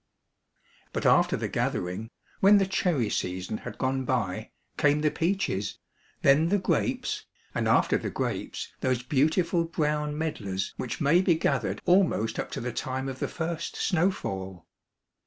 But after the gathering, when the cherry season had gone by, came the peaches, then the grapes, and after the grapes those beautiful brown medlars which may be gathered almost up to the time of the first snow fall.